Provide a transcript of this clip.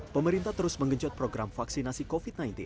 pemerintah terus menggenjot program vaksinasi covid sembilan belas